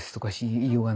言いようがない。